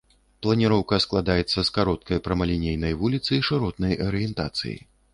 Планіроўка складаецца з кароткай прамалінейнай вуліцы шыротнай арыентацыі.